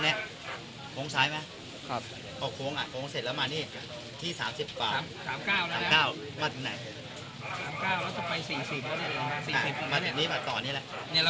๓๙แล้วจะไป๔๐แล้วเนี่ย